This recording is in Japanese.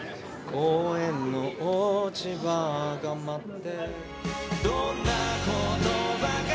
「公園の落ち葉が舞って」